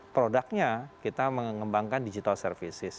produknya kita mengembangkan digital services